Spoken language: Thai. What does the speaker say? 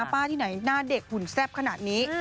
ป้าที่ไหนหน้าเด็กหุ่นแซ่บขนาดนี้